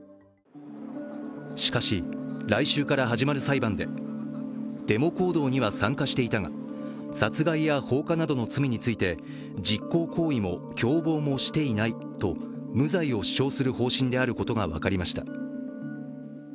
しかし、来週から始まる裁判でデモ行動には参加していたが殺害や放火などの罪について実行行為も共謀にしていないと無罪を主張する方針であることが分かりました。